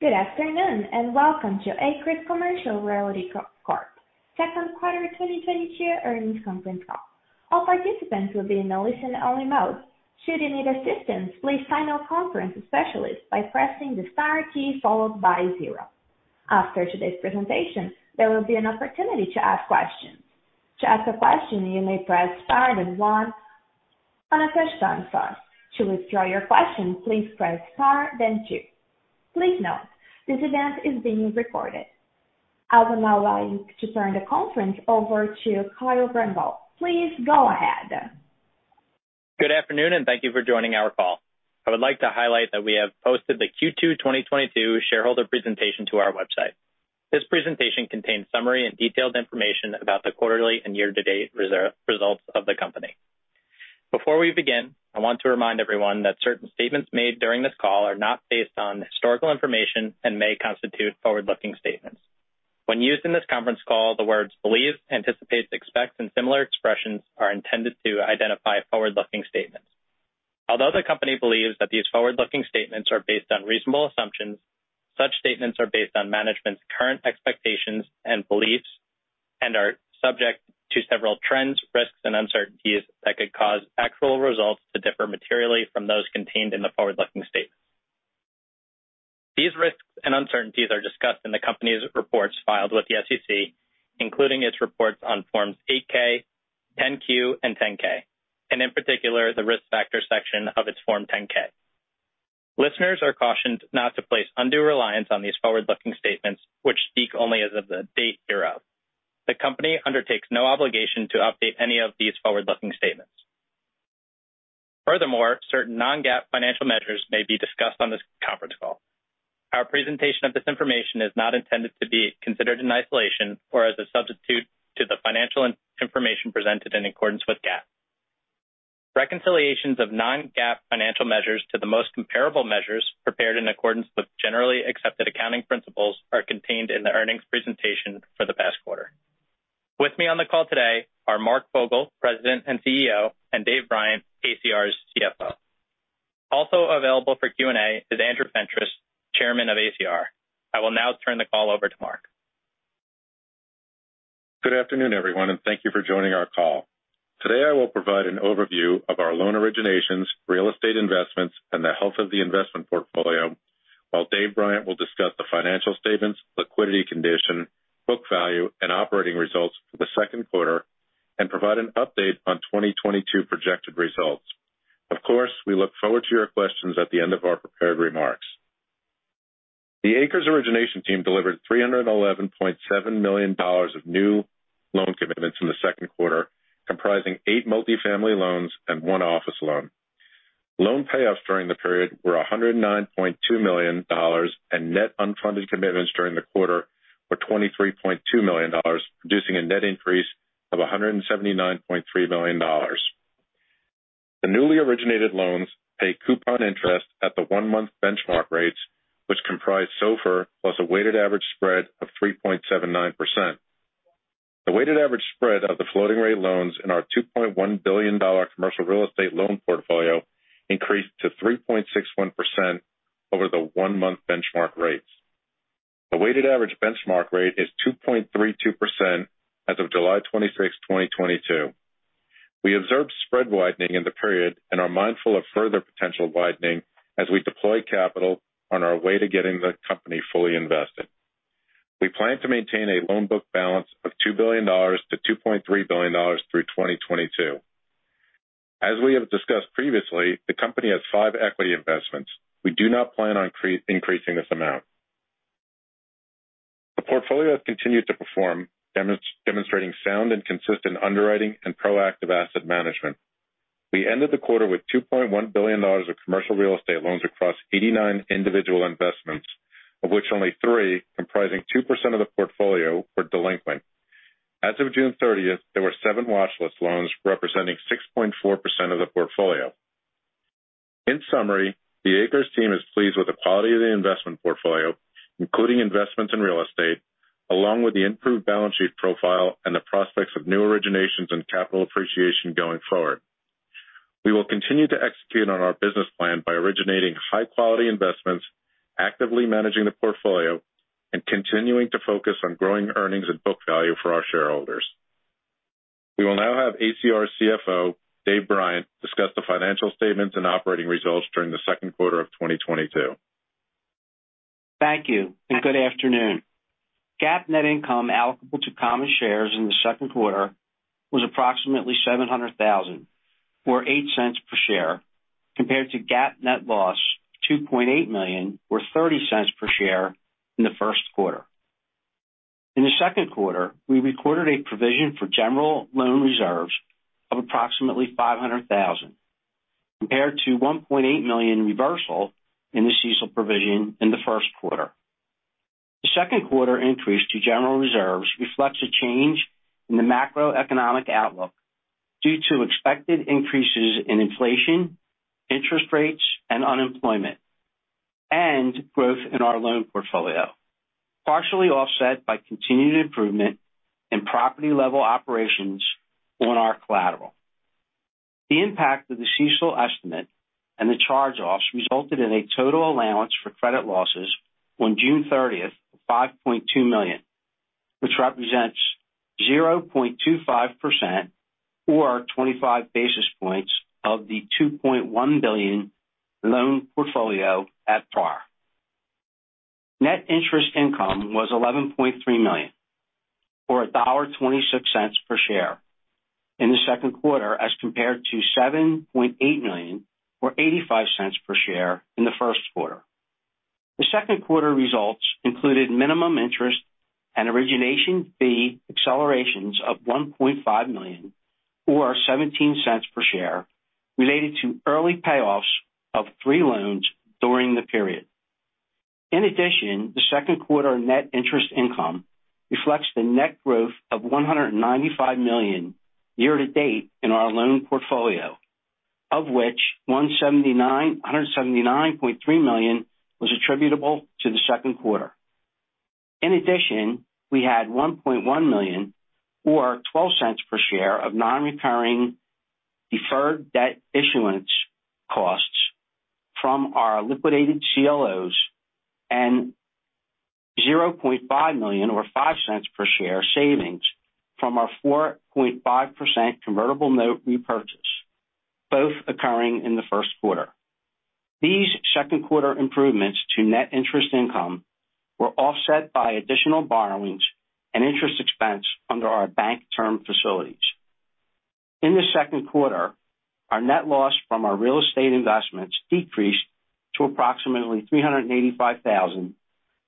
Good afternoon, and welcome to ACRES Commercial Realty Corp. second quarter 2022 earnings conference call. All participants will be in a listen-only mode. Should you need assistance, please find our conference specialist by pressing the star key followed by zero. After today's presentation, there will be an opportunity to ask questions. To ask a question, you may press star then one on a touch-tone phone. To withdraw your question, please press star then two. Please note, this event is being recorded. I would now like to turn the conference over to Kyle Brengel. Please go ahead. Good afternoon, and thank you for joining our call. I would like to highlight that we have posted the Q2 2022 shareholder presentation to our website. This presentation contains summary and detailed information about the quarterly and year-to-date results of the company. Before we begin, I want to remind everyone that certain statements made during this call are not based on historical information and may constitute forward-looking statements. When used in this conference call, the words believe, anticipate, expect, and similar expressions are intended to identify forward-looking statements. Although the company believes that these forward-looking statements are based on reasonable assumptions, such statements are based on management's current expectations and beliefs and are subject to several trends, risks, and uncertainties that could cause actual results to differ materially from those contained in the forward-looking statements. These risks and uncertainties are discussed in the company's reports filed with the SEC, including its reports on Form 8-K, Form 10-Q, and Form 10-K, and in particular, the risk factor section of its Form 10-K. Listeners are cautioned not to place undue reliance on these forward-looking statements, which speak only as of the date hereof. The company undertakes no obligation to update any of these forward-looking statements. Furthermore, certain non-GAAP financial measures may be discussed on this conference call. Our presentation of this information is not intended to be considered in isolation or as a substitute to the financial information presented in accordance with GAAP. Reconciliations of non-GAAP financial measures to the most comparable measures prepared in accordance with generally accepted accounting principles are contained in the earnings presentation for the past quarter. With me on the call today are Mark Fogel, President and CEO, and David Bryant, ACR's CFO. Also available for Q&A is Andrew Fentress, Chairman of ACR. I will now turn the call over to Mark. Good afternoon, everyone, and thank you for joining our call. Today, I will provide an overview of our loan originations, real estate investments, and the health of the investment portfolio, while David Bryant will discuss the financial statements, liquidity condition, book value, and operating results for the second quarter and provide an update on 2022 projected results. Of course, we look forward to your questions at the end of our prepared remarks. The ACRES origination team delivered $311.7 million of new loan commitments in the second quarter, comprising eight multifamily loans and one office loan. Loan payoffs during the period were $109.2 million, and net unfunded commitments during the quarter were $23.2 million, producing a net increase of $179.3 million. The newly originated loans pay coupon interest at the one-month benchmark rates, which comprise SOFR plus a weighted average spread of 3.79%. The weighted average spread of the floating rate loans in our $2.1 billion commercial real estate loan portfolio increased to 3.61% over the one-month benchmark rates. The weighted average benchmark rate is 2.32% as of July 26, 2022. We observed spread widening in the period and are mindful of further potential widening as we deploy capital on our way to getting the company fully invested. We plan to maintain a loan book balance of $2 billion-$2.3 billion through 2022. As we have discussed previously, the company has five equity investments. We do not plan on increasing this amount. The portfolio has continued to perform, demonstrating sound and consistent underwriting and proactive asset management. We ended the quarter with $2.1 billion of commercial real estate loans across 89 individual investments, of which only three, comprising 2% of the portfolio, were delinquent. As of June 30th, there were seven watch list loans representing 6.4% of the portfolio. In summary, the ACRES team is pleased with the quality of the investment portfolio, including investments in real estate, along with the improved balance sheet profile and the prospects of new originations and capital appreciation going forward. We will continue to execute on our business plan by originating high-quality investments, actively managing the portfolio, and continuing to focus on growing earnings and book value for our shareholders. We will now have ACR CFO, David Bryant, discuss the financial statements and operating results during the second quarter of 2022. Thank you, and good afternoon. GAAP net income applicable to common shares in the second quarter was approximately $700,000 or $0.08 per share, compared to GAAP net loss $2.8 million or $0.30 per share in the first quarter. In the second quarter, we recorded a provision for general loan reserves of approximately $500,000, compared to $1.8 million reversal in the CECL provision in the first quarter. The second quarter increase to general reserves reflects a change in the macroeconomic outlook due to expected increases in inflation, interest rates and unemployment and growth in our loan portfolio, partially offset by continued improvement in property-level operations on our collateral. The impact of the CECL estimate and the charge-offs resulted in a total allowance for credit losses on June 30th, $5.2 million, which represents 0.25% or 25 basis points of the $2.1 billion loan portfolio at par. Net interest income was $11.3 million, or $1.26 per share in the second quarter as compared to $7.8 million or $0.85 per share in the first quarter. The second quarter results included minimum interest and origination fee accelerations of $1.5 million or $0.17 per share related to early payoffs of three loans during the period. In addition, the second quarter net interest income reflects the net growth of $195 million year to date in our loan portfolio, of which $179.3 million was attributable to the second quarter. In addition, we had $1.1 million or $0.12 per share of non-recurring deferred debt issuance costs from our liquidated CLOs and $0.5 million or $0.05 per share savings from our 4.5% convertible note repurchase, both occurring in the first quarter. These second quarter improvements to net interest income were offset by additional borrowings and interest expense under our bank term facilities. In the second quarter, our net loss from our real estate investments decreased to approximately $385,000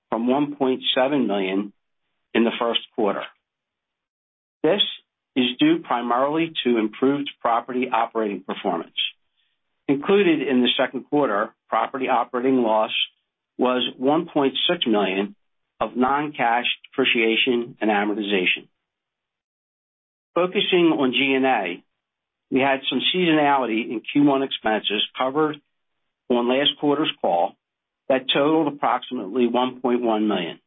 from $1.7 million in the first quarter. This is due primarily to improved property operating performance. Included in the second quarter, property operating loss was $1.6 million of non-cash depreciation and amortization. Focusing on G&A, we had some seasonality in Q1 expenses covered on last quarter's call that totaled approximately $1.1 million.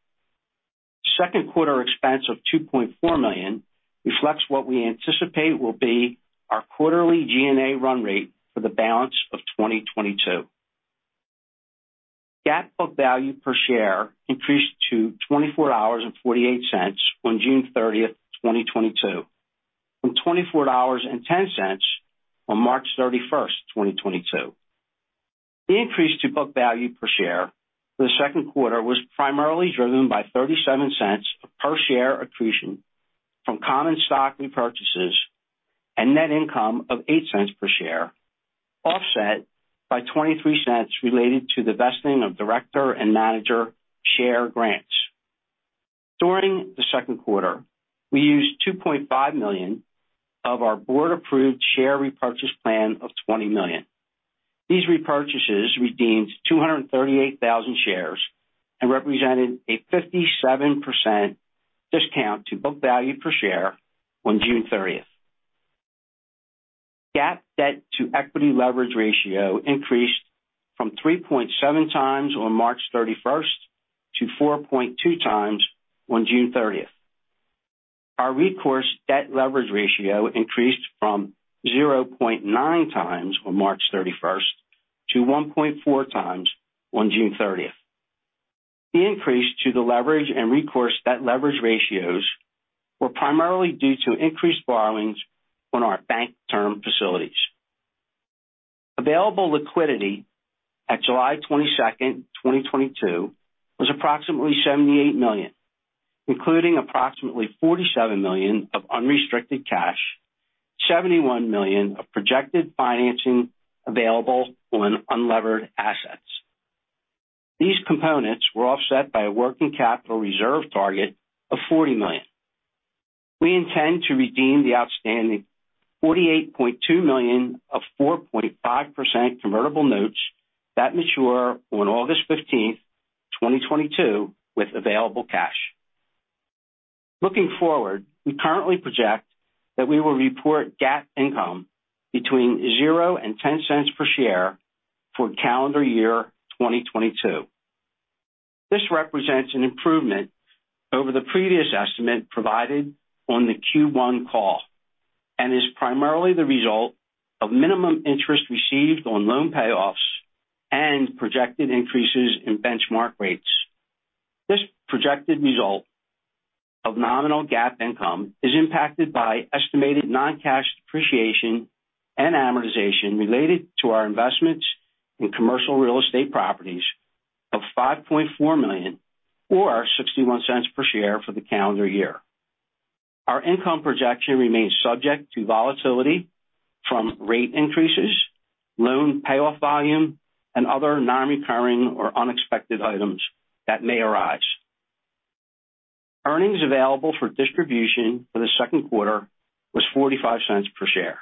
Second quarter expense of $2.4 million reflects what we anticipate will be our quarterly G&A run rate for the balance of 2022. GAAP book value per share increased to $24.48 on June 30th, 2022 from $24.10 on March 31st, 2022. The increase to book value per share for the second quarter was primarily driven by $0.37 per share accretion from common stock repurchases and net income of $0.08 per share, offset by $0.23 related to the vesting of director and manager share grants. During the second quarter, we used $2.5 million of our board-approved share repurchase plan of $20 million. These repurchases redeemed 238,000 shares and represented a 57% discount to book value per share on June 30th. GAAP debt to equity leverage ratio increased from 3.7x on March 31st to 4.2x on June 30. Our recourse debt leverage ratio increased from 0.9x on March 31st to 1.4x on June 30th. The increase to the leverage and recourse debt leverage ratios were primarily due to increased borrowings on our bank term facilities. Available liquidity at July 22nd, 2022 was approximately $78 million, including approximately $47 million of unrestricted cash, $71 million of projected financing available on unlevered assets. These components were offset by a working capital reserve target of $40 million. We intend to redeem the outstanding $48.2 million of 4.5% convertible notes that mature on August 15th, 2022 with available cash. Looking forward, we currently project that we will report GAAP income between $0.00 and $0.10 per share for calendar year 2022. This represents an improvement over the previous estimate provided on the Q1 call and is primarily the result of additional interest received on loan payoffs and projected increases in benchmark rates. This projected result of nominal GAAP income is impacted by estimated non-cash depreciation and amortization related to our investments in commercial real estate properties of $5.4 million or $0.61 per share for the calendar year. Our income projection remains subject to volatility from rate increases, loan payoff volume, and other non-recurring or unexpected items that may arise. Earnings available for distribution for the second quarter was $0.45 per share.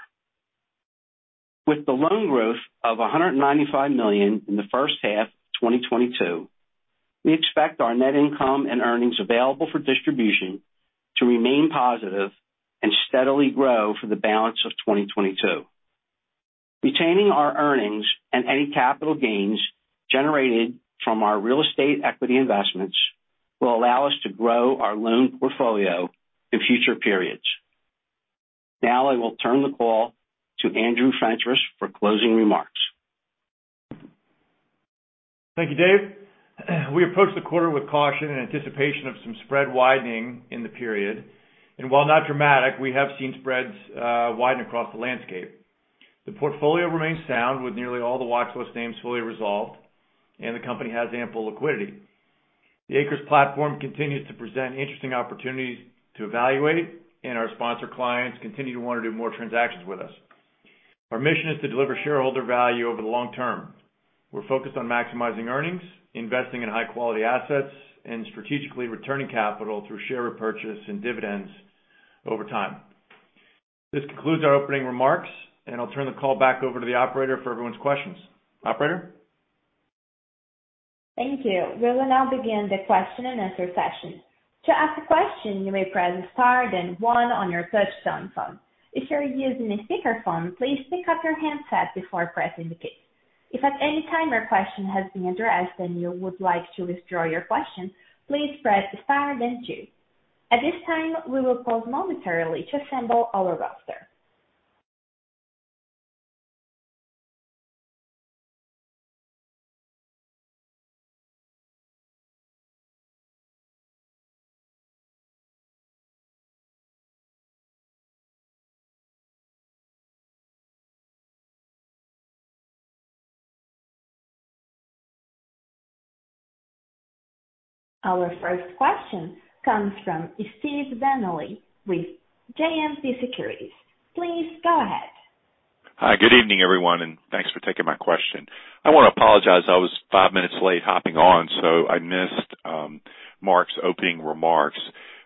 With the loan growth of $195 million in the first half of 2022, we expect our net income and earnings available for distribution to remain positive and steadily grow for the balance of 2022. Retaining our earnings and any capital gains generated from our real estate equity investments will allow us to grow our loan portfolio in future periods. Now I will turn the call to Andrew Fentress for closing remarks. Thank you, Dave. We approached the quarter with caution and anticipation of some spread widening in the period. While not dramatic, we have seen spreads widen across the landscape. The portfolio remains sound with nearly all the watchlist names fully resolved, and the company has ample liquidity. The ACRES platform continues to present interesting opportunities to evaluate, and our sponsor clients continue to want to do more transactions with us. Our mission is to deliver shareholder value over the long term. We're focused on maximizing earnings, investing in high-quality assets, and strategically returning capital through share repurchase and dividends over time. This concludes our opening remarks, and I'll turn the call back over to the operator for everyone's questions. Operator? Thank you. We will now begin the question-and-answer session. To ask a question, you may press star then one on your touchtone phone. If you are using a speakerphone, please pick up your handset before pressing the key. If at any time your question has been addressed and you would like to withdraw your question, please press star then two. At this time, we will pause momentarily to assemble our roster. Our first question comes from Steve Delaney with JMP Securities. Please go ahead. Hi, good evening, everyone, and thanks for taking my question. I want to apologize, I was five minutes late hopping on, so I missed Mark's opening remarks.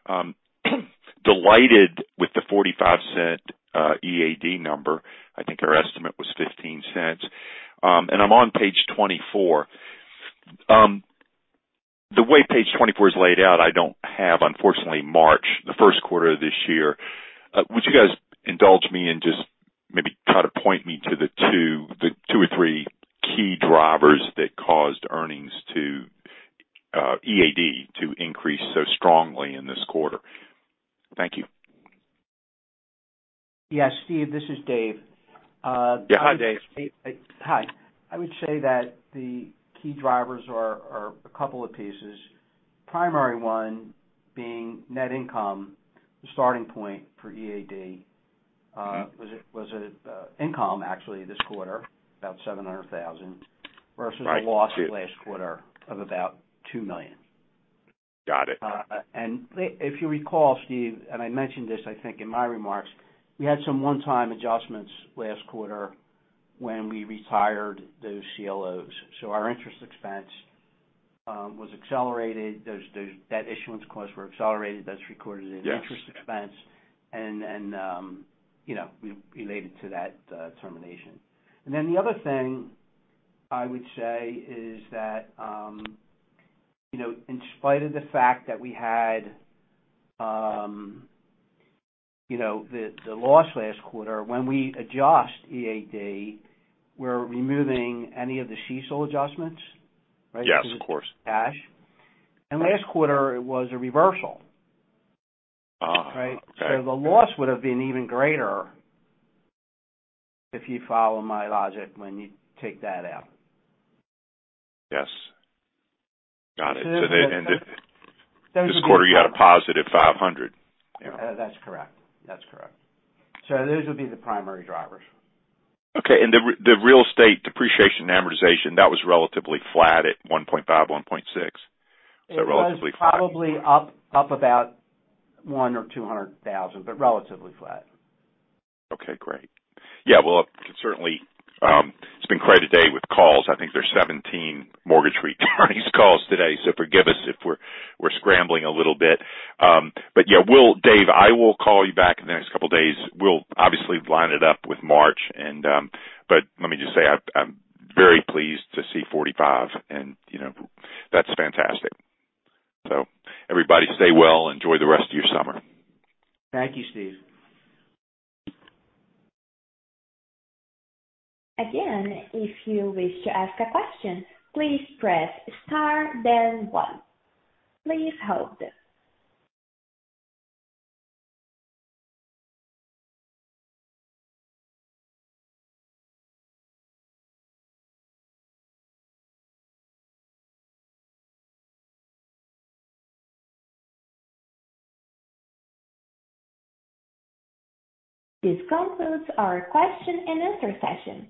Delighted with the $0.45 EAD number. I think our estimate was $0.15. I'm on page 24. The way page 24 is laid out, I don't have, unfortunately, March, the first quarter of this year. Would you guys indulge me and just maybe try to point me to the two or three key drivers that caused earnings to EAD to increase so strongly in this quarter? Thank you. Yeah. Steve, this is Dave. Yeah. Hi, Dave. Hi. I would say that the key drivers are a couple of pieces. Primary one being net income. The starting point for EAD was income actually this quarter, about $700,000 versus the loss last quarter of about $2 million. Got it. If you recall, Steve, and I mentioned this, I think, in my remarks, we had some one-time adjustments last quarter when we retired those CLOs. Our interest expense was accelerated. Those debt issuance costs were accelerated. That's recorded in interest expense. Yes. You know, related to that, termination. The other thing I would say is that, you know, in spite of the fact that we had, you know, the loss last quarter, when we adjust EAD, we're removing any of the CECL adjustments. Right? Yes, of course. Cash. Last quarter it was a reversal. Uh- Right? The loss would have been even greater, if you follow my logic, when you take that out. Yes. Got it. Those would be. This quarter you had +$500. That's correct. Those would be the primary drivers. Okay. The real estate depreciation and amortization, that was relatively flat at $1.5 million, $1.6 million. Relatively flat. It was probably up about $100,000-$200,000, but relatively flat. Okay, great. Yeah. Well, certainly, it's been quite a day with calls. I think there's 17 mortgage REITs calls today, so forgive us if we're scrambling a little bit. Yeah, Dave, we'll call you back in the next couple days. We'll obviously line it up with March. But let me just say, I'm very pleased to see $0.45 and, you know, that's fantastic. Everybody stay well. Enjoy the rest of your summer. Thank you, Steve. Again, if you wish to ask a question, please press star then one. Please hold. This concludes our question and answer session.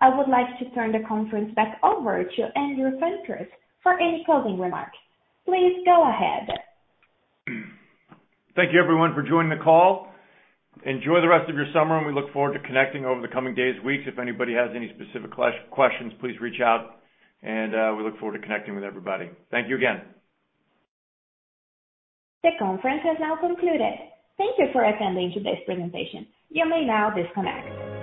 I would like to turn the conference back over to Andrew Fentress for any closing remarks. Please go ahead. Thank you, everyone, for joining the call. Enjoy the rest of your summer, and we look forward to connecting over the coming days, weeks. If anybody has any specific questions, please reach out. We look forward to connecting with everybody. Thank you again. The conference has now concluded. Thank you for attending today's presentation. You may now disconnect.